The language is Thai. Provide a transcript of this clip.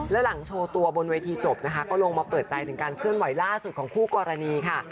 และหลังโชว์ตัวบนเวทีจบนะคะก็ลงมาเปิดใจถึงการเคลื่อนไหวล่าสุดของคู่กรณีค่ะ